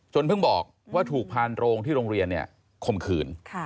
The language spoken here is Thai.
เพิ่งบอกว่าถูกพานโรงที่โรงเรียนข่มขืน